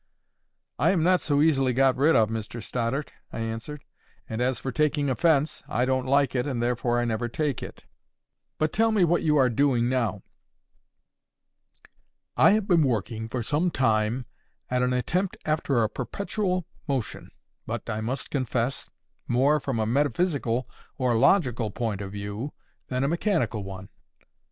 "I am not so easily got rid of, Mr Stoddart," I answered. "And as for taking offence, I don't like it, and therefore I never take it. But tell me what you are doing now." "I have been working for some time at an attempt after a perpetual motion, but, I must confess, more from a metaphysical or logical point of view than a mechanical one."